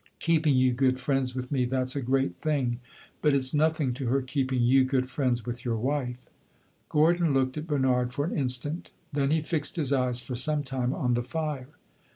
"Keeping you good friends with me that 's a great thing. But it 's nothing to her keeping you good friends with your wife." Gordon looked at Bernard for an instant; then he fixed his eyes for some time on the fire.